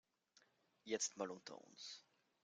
Jetzt mal unter uns.